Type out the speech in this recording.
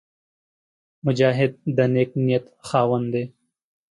مجاهد د نېک نیت خاوند وي.